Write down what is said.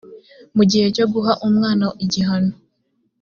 mu gihe cyo guha umwana igihano